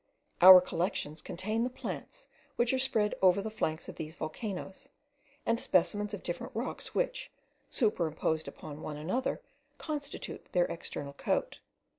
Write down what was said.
Our collections contain the plants which are spread over the flanks of these volcanoes, and specimens of different rocks which, superposed one upon another, constitute their external coat.